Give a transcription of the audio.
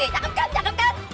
cakep kan cakep kan